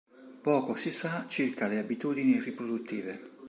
Poco si sa circa le abitudini riproduttive.